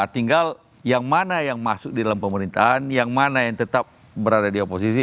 tinggal yang mana yang masuk di dalam pemerintahan yang mana yang tetap berada di oposisi